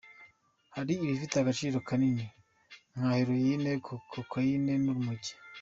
Hari ibifite agaciro kanini, nka heroine, cocaine n’urumogi.